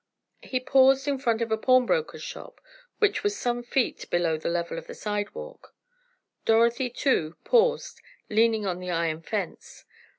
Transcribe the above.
He paused in front of a pawnbroker's shop, which was some feet below the level of the sidewalk. Dorothy, too, paused, leaning on the iron fence.